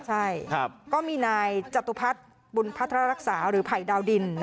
ใช่ก็มีนายจตุพัฒน์บุญพัฒนารักษาหรือภัยดาวดิน